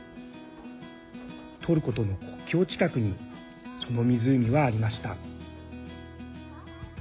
トルコとの国境近くにその湖はありました。